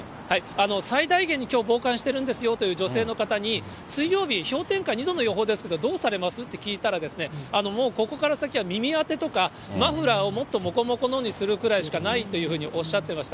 最大限にきょう防寒してるんですよという女性の方に、水曜日、氷点下２度の予報ですけれども、どうされます？と聞いたら、もうここから先は耳当てとか、マフラーをもっともこもこのにするぐらいしかないというふうにおっしゃっていました。